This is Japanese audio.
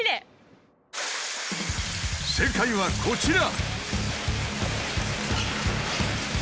正解はこちら！